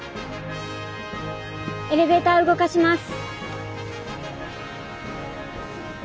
エレベータ動かします。